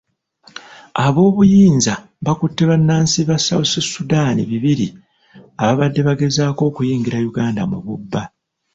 Aboobuyinza bakutte bannansi ba South Sudan bibiri ababadde bagezaako okuyingira Uganda mu bubba.